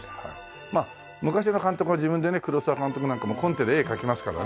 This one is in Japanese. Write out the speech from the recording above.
まあ昔の監督は自分でね黒澤監督なんかもコンテで絵描きますからね。